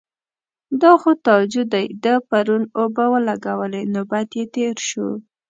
_دا خو تاجو دی، ده پرون اوبه ولګولې. نوبت يې تېر شو.